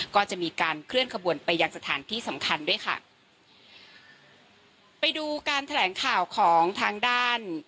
ก็จะมีการเคลื่อนขบวนไปยังสถานที่สำคัญด้วยค่ะไปดูการแถลงข่าวของทางด้าน